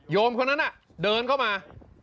มคนนั้นน่ะเดินเข้ามา